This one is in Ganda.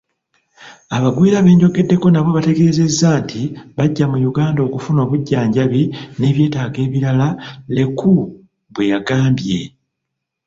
“Abagwira benjogeddeko nabo bantegeezezza nti bajja mu Uganda okufuna obujjanjabi n'ebyetaago ebirala,” Leku bweyagambye.